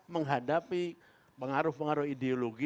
menghadapi pengaruh pengaruh ideologi